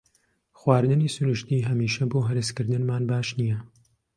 خواردنی سروشتی هەمیشە بۆ هەرسکردنمان باش نییە.